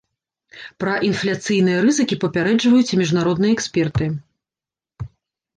Пра інфляцыйныя рызыкі папярэджваюць і міжнародныя эксперты.